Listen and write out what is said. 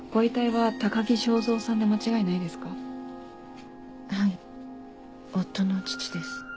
はい夫の父です。